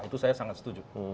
itu saya sangat setuju